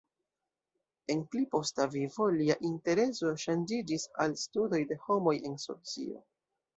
En pli posta vivo lia intereso ŝanĝiĝis al studo de homoj en socio.